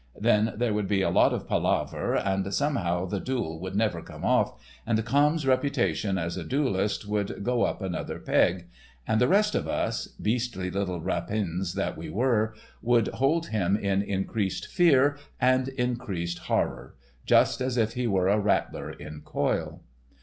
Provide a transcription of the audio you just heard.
Then there would be a lot of palaver, and somehow the duel would never come off, and Camme's reputation as a duelist would go up another peg, and the rest of us—beastly little rapins that we were—would hold him in increased fear and increased horror, just as if he were a rattler in coil.